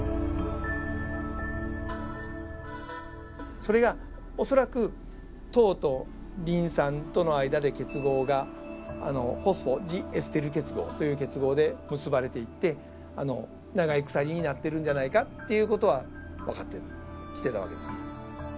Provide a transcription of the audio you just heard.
それが恐らく糖とリン酸との間で結合がホスホジエステル結合という結合で結ばれていって長い鎖になってるんじゃないかっていう事は分かってきてた訳です。